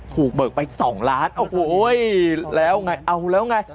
เบิกไป๒ล้านโอ้โหแล้วไงเอาแล้วไง